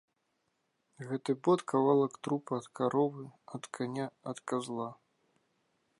Гэты бот кавалак трупа ад каровы, ад каня, ад казла!